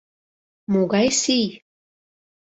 Могай сий?